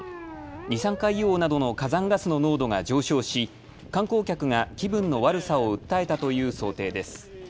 二酸化硫黄などの火山ガスの濃度が上昇し、観光客が気分の悪さを訴えたという想定です。